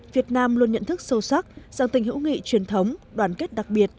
việt nam luôn nhận thức sâu sắc rằng tình hữu nghị truyền thống đoàn kết đặc biệt